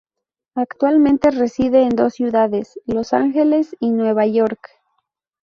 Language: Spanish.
Actualmente reside en dos ciudades, Los Ángeles y Nueva York.